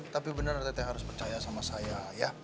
tapi bener lah teh harus percaya sama saya ya